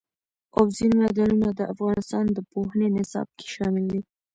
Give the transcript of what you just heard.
اوبزین معدنونه د افغانستان د پوهنې نصاب کې شامل دي.